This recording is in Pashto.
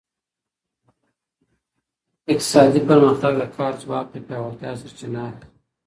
اقتصادي پرمختګ د کار ځواک له پیاوړتیا سرچینه اخلي.